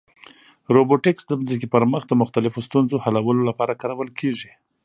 روبوټیکس د ځمکې پر مخ د مختلفو ستونزو حلولو لپاره کارول کېږي.